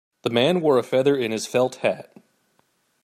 The man wore a feather in his felt hat.